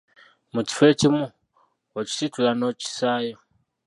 Mu kifo ekimu, okisitula n'okissaayo.